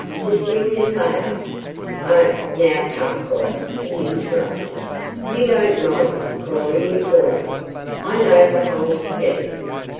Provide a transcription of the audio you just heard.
Cecilia Thayer " "Oh, now come, Cora," he interrupted. "You don't mind me calling you Cora? I know the whole scheme.